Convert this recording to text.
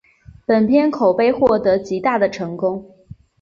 本片口碑获得极大的成功。